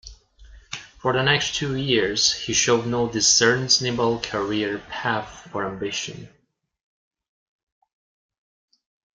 For the next two years he showed no discernible career path or ambition.